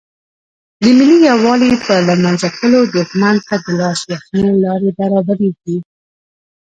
د ملي یووالي په له منځه تللو دښمن ته د لاس وهنې لارې برابریږي.